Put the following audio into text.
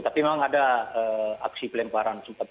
tapi memang ada aksi pelemparan